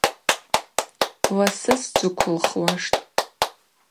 Ласы сджвыквылхуаштӏ.